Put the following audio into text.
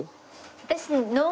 私。